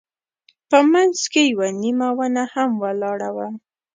په منځ کې یوه نیمه ونه هم ولاړه وه.